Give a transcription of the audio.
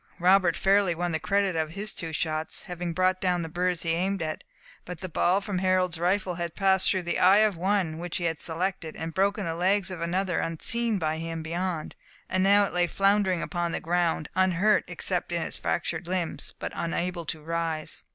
Robert fairly won the credit of his two shots, having brought down the birds he aimed at; but the ball from Harold's rifle had passed through the eye of the one which he had selected, and broken the legs of another unseen by him beyond, and it now lay floundering upon the ground unhurt, except in its fractured limbs, but unable to rise.